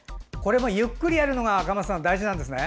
ゆっくりやるのが鎌田さん、大事なんですね。